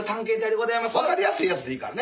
「分かりやすいやつでいいからね。